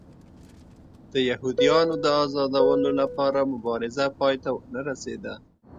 د یهودیانو د ازادولو لپاره مبارزه پای ته ونه رسېده.